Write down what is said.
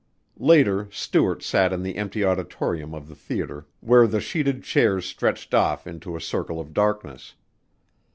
Later Stuart sat in the empty auditorium of the theater where the sheeted chairs stretched off into a circle of darkness.